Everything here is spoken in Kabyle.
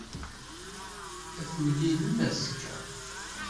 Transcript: Ad t-mlilen azekka.